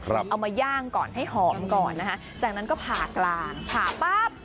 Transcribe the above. เอามาย่างก่อนให้หอมก่อนนะคะจากนั้นก็ผ่ากลางผ่าปั๊บ